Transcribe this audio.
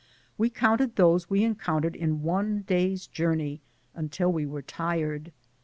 We counted those we encountered in one day's journey until we were tired.